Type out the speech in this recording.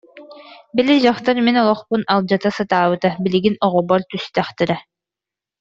Били дьахтар мин олохпун алдьата сатаабыта, билигин оҕобор түстэхтэрэ